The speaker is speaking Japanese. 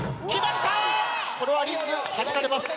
これはリングはじかれます。